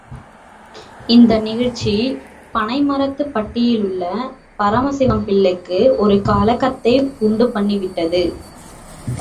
இந்த நிகழ்ச்சி பனைமரத்துப்பட்டியிலுள்ள பரம சிவம் பிள்ளைக்கு ஒரு கலக்கத்தை உண்டு பண்ணி விட்டது.